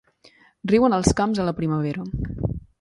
Riuen els camps a la primavera.